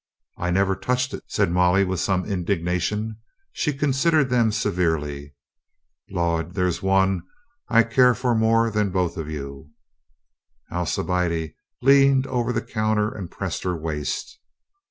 "I never touched it," said Molly with some in dignation. She considered them severely. "Lud, there's one I care for more than the both of you." Alcibiade leaned over the counter and pressed her waist.